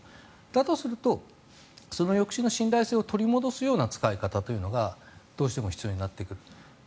だとすると、その抑止の信頼性を取り戻すような使い方というのがどうしても必要になってくる。